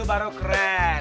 itu baru keren